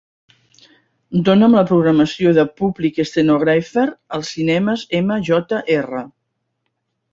Dona'm la programació de Public Stenographer als cinemes MJR.